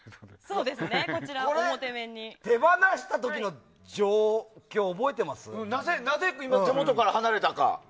手放した時の状況はなぜ手元から離れたか？